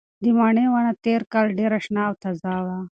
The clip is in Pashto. د مڼې ونه تېر کال ډېره شنه او تازه وه.